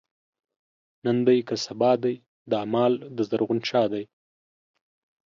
نن دی که سبا دی، دا مال دَ زرغون شاه دی